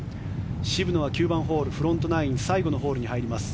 渋野は９番ホールフロントナイン最後のホールに入ります。